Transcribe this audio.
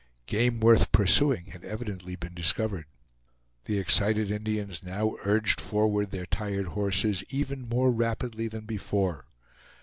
Game worth pursuing had evidently been discovered. The excited Indians now urged forward their tired horses even more rapidly than before.